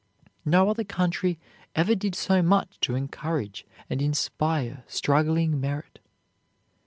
No other country ever did so much to encourage and inspire struggling merit.